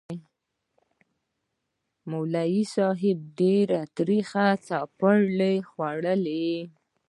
ملک صاحب ډېرې ترخې څپېړې خوړلې.